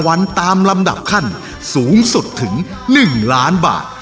วันตามลำดับขั้นสูงสุดถึง๑ล้านบาท